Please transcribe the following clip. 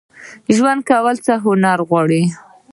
ژوند کول څه هنر غواړي؟